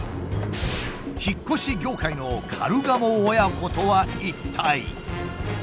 引っ越し業界のカルガモ親子とは一体。